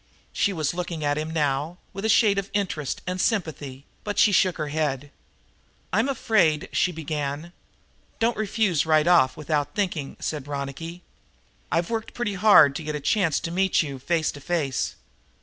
She was looking at him now, with a shade of interest and sympathy, but she shook her head. "I'm afraid " she began. "Don't refuse right off, without thinking," said Ronicky. "I've worked pretty hard to get a chance to meet you, face to face.